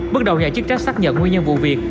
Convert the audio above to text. bước đầu nhà chức trách xác nhận nguyên nhân vụ việc